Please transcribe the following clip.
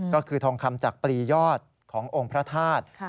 ก็คือทองคำจากปลียอดขององค์พระธาตุ